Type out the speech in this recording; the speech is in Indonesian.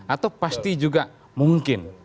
atau pasti juga mungkin